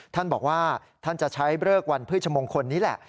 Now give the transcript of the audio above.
ท่านบอกว่าท่านจะใช้เลิกวันพฤชมงคลนี้แหละ